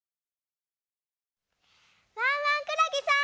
ワンワンくらげさん！